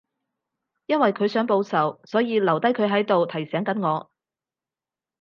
因為佢想報仇，所以留低佢喺度提醒緊我